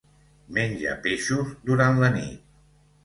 Menja peixos durant la nit.